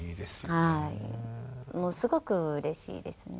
はいすごくうれしいです。